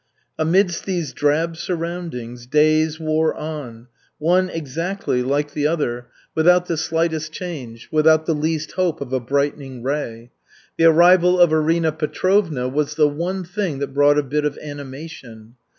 Amidst these drab surroundings days wore on, one exactly like the other, without the slightest change, without the least hope of a brightening ray. The arrival of Arina Petrovna was the one thing that brought a bit of animation.